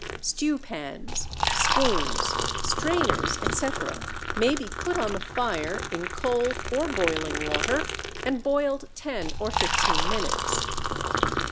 Stewpans, spoons, strainers, etc., may be put on the fire in cold or boiling water and boiled ten or fifteen minutes.